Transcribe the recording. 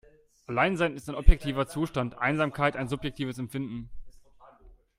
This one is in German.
Alleinsein ist ein objektiver Zustand, Einsamkeit ein subjektives Empfinden.